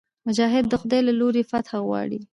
مجاهد د خدای له لورې فتحه غواړي.